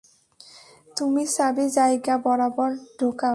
তুমি চাবি জায়গা বরাবর ঢুকাও।